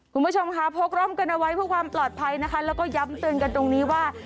คุณผู้ชมค่ะพกร่มกันเอาไว้เพื่อความปลอดภัยนะคะแล้วก็ย้ำเตือนกันตรงนี้ว่า